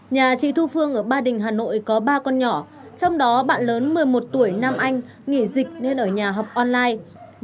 nhà chị thu phương ở ba đình hà nội có ba con nhỏ trong đó bạn lớn một mươi một tuổi nam anh nghỉ dịch nên ở nhà học online